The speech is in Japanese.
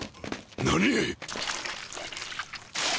何！？